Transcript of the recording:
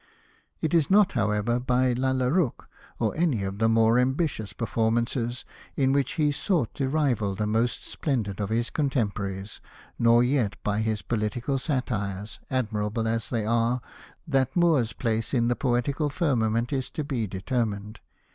It is not, however, by Lalla Rookh^ or any of the more ambitious performances in which he sought to rival the most splendid of his contemporaries, nor yet by his political satires, admirabh as they are, that Moore's place in the poetical firmament is to be determined.